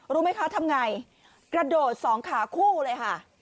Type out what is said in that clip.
รู้ไหมคะทำอย่างไรกระโดดสองขาคู่เลยครับ